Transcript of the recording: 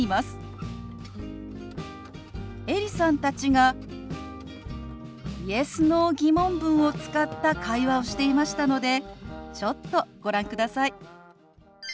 エリさんたちがＹｅｓ／Ｎｏ−疑問文を使った会話をしていましたのでちょっとご覧ください。